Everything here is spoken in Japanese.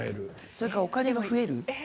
それか、お金が増える。